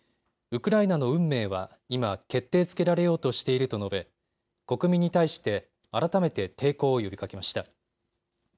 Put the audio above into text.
ウクライナの運命は今、決定づけられようとしていると述べ、国民に対して改めて抵抗を呼びかけました。